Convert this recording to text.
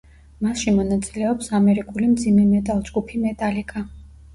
მასში მონაწილეობს ამერიკული მძიმე მეტალ-ჯგუფი მეტალიკა.